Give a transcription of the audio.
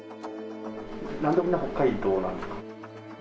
なぜみんな、北海道なんですか。